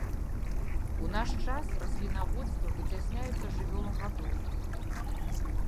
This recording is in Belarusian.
У наш час раслінаводства выцясняецца жывёлагадоўляй.